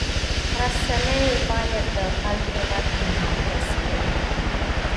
رسنۍ باید د خلکو غږ منعکس کړي.